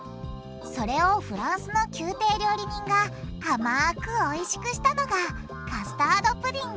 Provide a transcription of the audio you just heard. それをフランスの宮廷料理人が甘くおいしくしたのがカスタードプディング。